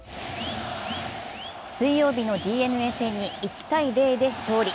水曜日のＤｅＮＡ戦に１−０で勝利。